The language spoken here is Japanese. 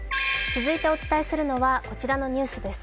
続いてお伝えするのは、こちらのニュースです。